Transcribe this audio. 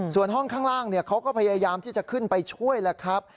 ส่วนห้องข้างล่างเขาก็พยายามที่จะขึ้นไปช่วยแล้วครับ